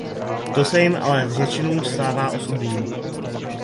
To se jim ale většinou stává osudným.